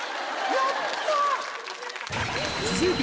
やった！